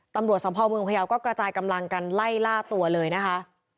ตำรวจสมภาวเมืองพยาวก็กระจายกำลังกันไล่ล่าตัวเลยนะคะ